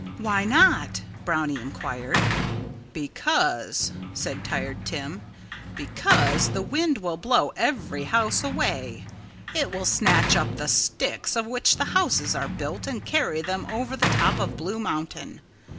"Why not?" Brownie inquired. "Because " said Tired Tim "because the wind will blow every house away. It will snatch up the sticks of which the houses are built and carry them over the top of Blue Mountain.